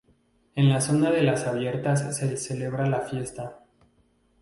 En la zona de Las Abiertas se celebra la fiesta;